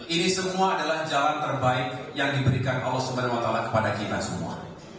ini semua adalah jalan terbaik yang diberikan allah swt kepada kita semua